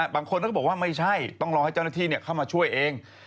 บางคนก็บอกว่าไม่ใช่ต้องรอให้เจ้าหน้าที่เข้ามาช่วยเอง